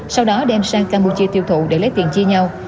sau đó đem sang campuchia tiêu thụ để lấy tiền chia nhau